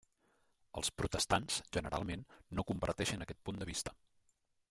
Els protestants, generalment, no comparteixen aquest punt de vista.